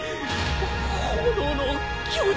炎の巨人！？